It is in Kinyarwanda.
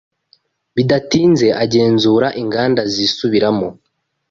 bidatinze agenzura inganda zisubiramo